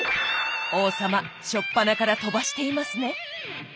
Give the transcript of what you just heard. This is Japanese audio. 王様初っぱなから飛ばしていますね。